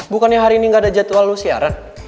bukannya hari ini gak ada jadwal lu siaran